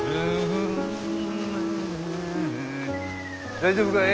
大丈夫かえ？